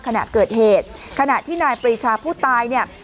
ขณะเกิดเหตุขณะที่นายปรีชาผู้ตายเนี่ย